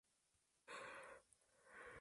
Es una docente y política mexicana.